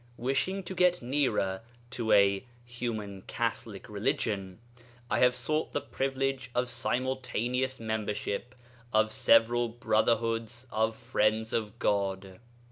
Wishing to get nearer to a 'human catholic' religion I have sought the privilege of simultaneous membership of several brotherhoods of Friends of God.